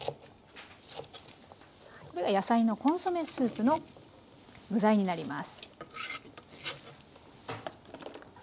これが野菜のコンソメスープの具材になります。